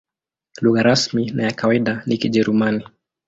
Lugha rasmi na ya kawaida ni Kijerumani.